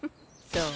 そう？